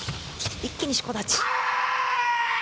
一気に四股立ち。